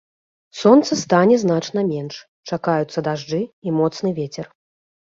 Сонца стане значна менш, чакаюцца дажджы і моцны вецер.